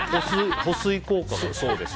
保水効果が。